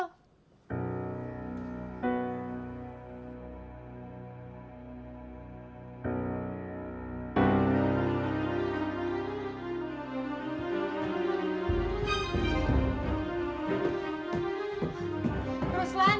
tika didi abdul